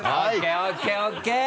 ＯＫＯＫ。